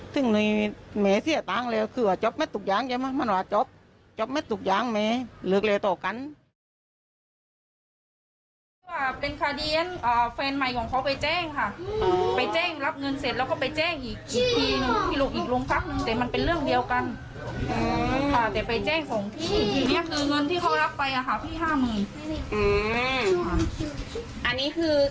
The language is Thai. ถึงอันนี้คือจบตกลงจบจ่ายกันที่๕๐๐๐๐